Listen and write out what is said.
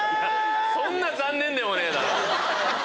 そんな残念でもねえな。